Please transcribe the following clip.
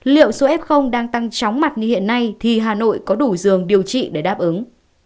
liệu số f đang tăng chóng mặt như hiện nay thì hà nội có đủ giường điều trị để đáp ứng